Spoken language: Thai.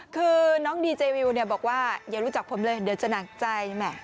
คือน้องดีเจวิวบอกว่าอย่ารู้จักผมเลยเดี๋ยวจะหนักใจ